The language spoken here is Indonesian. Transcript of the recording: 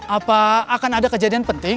apa akan ada kejadian penting